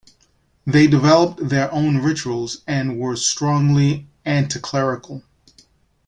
They developed their own rituals, and were strongly anticlerical.